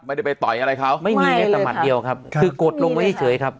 ไม่ได้ไปต่อยอะไรเขาไม่เลยครับไม่มีเลยต่อหมัดเดียวครับครับคือกดลงไว้เฉยเฉยครับ